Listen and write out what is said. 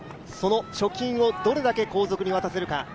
その貯金をどれだけ後続に渡せるか。